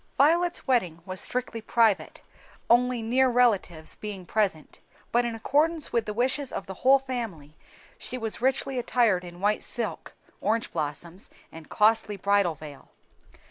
Violet's wedding was strictly private, only near relatives being present; but in accordance with the wishes of the whole family, she was richly attired in white silk, orange blossoms, and costly bridal veil.